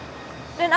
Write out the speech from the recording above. dan aku bisa